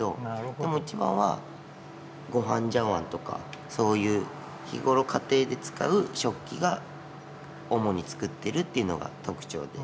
でも一番はごはん茶わんとかそういう日頃家庭で使う食器が主に作ってるっていうのが特徴です。